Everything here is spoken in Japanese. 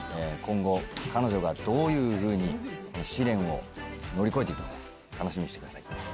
今後彼女がどういうふうに試練を乗り越えて行くのか楽しみにしてください。